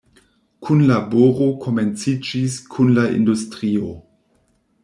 Kunlaboro komenciĝis kun la industrio.